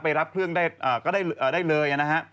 รับเครื่องได้เลยนะฮะ